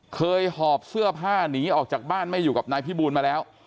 หอบเสื้อผ้าหนีออกจากบ้านไม่อยู่กับนายพิบูลมาแล้ว